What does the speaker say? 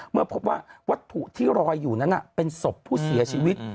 เมื่อพบว่าวัตถุที่รอยอยู่นั้นเป็นศพผู้เสียชีวิต